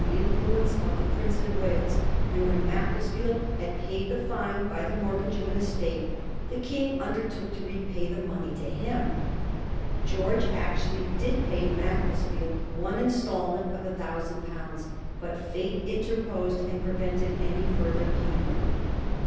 345 the influence of the Prince of Wales, and when Macclesfield had paid the fine by the mortgage of an estate, the King undertook to repay the money to him, Greorge actually did pay to Macclesfield one instalment of a thousand pounds ; but fate interposed and prevented any further payment.